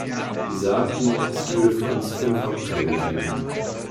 Wir sagten, es gäbe für uns fünf Hauptprioritäten.